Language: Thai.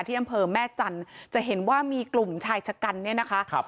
อำเภอแม่จันทร์จะเห็นว่ามีกลุ่มชายชะกันเนี่ยนะคะ